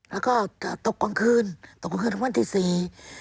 แล้วก็จะตกกลางคืนตกกลางคืนวันที่สี่